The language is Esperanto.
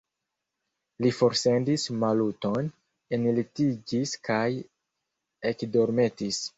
Li forsendis Maluton, enlitiĝis kaj ekdormetis.